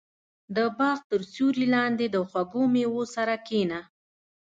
• د باغ تر سیوري لاندې د خوږو مېوو سره کښېنه.